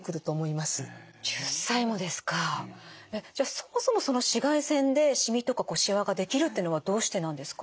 そもそもその紫外線でしみとかしわができるっていうのはどうしてなんですか？